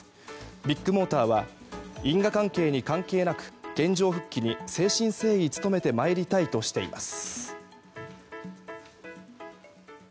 ビッグモーターは因果関係に関係なく現状復帰に誠心誠意努めてまいりたいとしています。